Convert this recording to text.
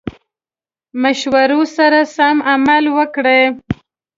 مشورو سره سم عمل وکړي.